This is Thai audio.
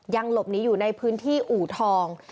ยังหลบหนีอยู่ในพื้นที่อู่ทอง